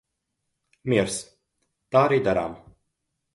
Miers. Tā arī darām.